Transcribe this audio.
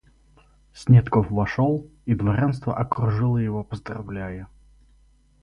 Снетков вошел, и дворянство окружило его поздравляя.